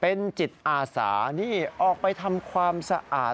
เป็นจิตอาสานี่ออกไปทำความสะอาด